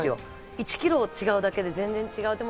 １ｋｇ違うだけで全然違うと思う。